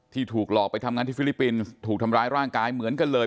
ถูกหลอกไปทำงานที่ฟิลิปปินส์ถูกทำร้ายร่างกายเหมือนกันเลย